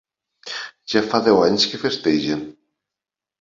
Ja fa deu anys que festegen.